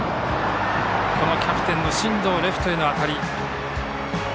このキャプテンの進藤レフトへの当たり。